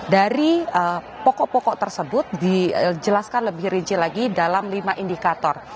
dari pokok pokok tersebut dijelaskan lebih rinci lagi dalam lima indikator